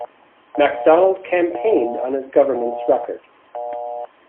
Macdonald campaigned on his government's record.